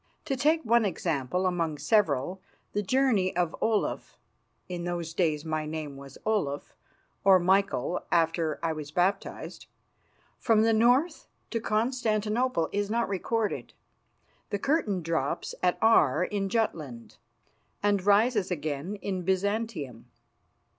To take one example among several the journey of Olaf (in those days my name was Olaf, or Michael after I was baptised) from the North to Constantinople is not recorded. The curtain drops at Aar in Jutland and rises again in Byzantium.